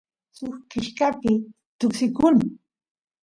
suk kishkapi tuksikuny